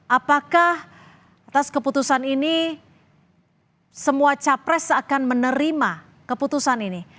apakah atas keputusan ini semua capres akan menerima keputusan ini